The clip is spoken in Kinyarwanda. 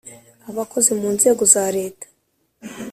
Abakozi mu nzego za Leta